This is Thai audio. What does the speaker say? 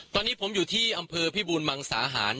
ตอนนี้ผมอยู่ที่อำเภอพิบูรมังสาหาร